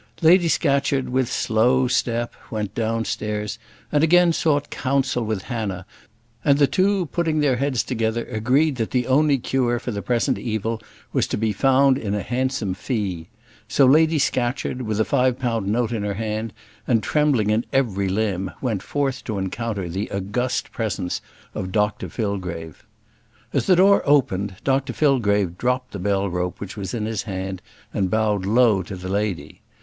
Lady Scatcherd, with slow step, went downstairs and again sought counsel with Hannah, and the two, putting their heads together, agreed that the only cure for the present evil was to be found in a good fee. So Lady Scatcherd, with a five pound note in her hand, and trembling in every limb, went forth to encounter the august presence of Dr Fillgrave. As the door opened, Dr Fillgrave dropped the bell rope which was in his hand, and bowed low to the lady.